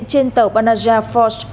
trên tàu panajia force